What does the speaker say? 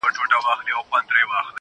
ستا غوندي اشنا لرم ،گراني څومره ښه يې ته